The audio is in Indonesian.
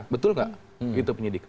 betul enggak itu penyidik